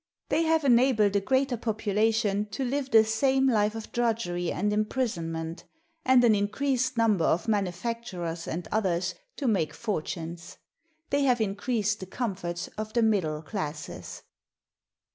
They have enabled a greater population to live the same life of drudgery and imprisonment, and an increased number of manufacturers and others to make fortunes. They have increased the comforts of the middle classes.